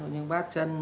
như bát chân